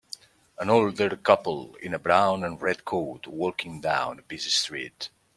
An older couple in a brown and red coat walking down a busy street.